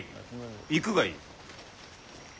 行くがいい。